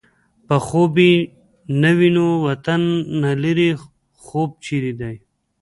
په خوب يې نه وینو وطن نه لرې خوب چېرې دی